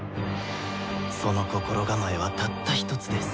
その心構えはたったひとつです。